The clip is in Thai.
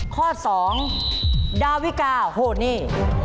ข้อ๒ดาวิกาโฮนี่